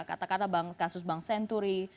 kata kata kasus bank senturi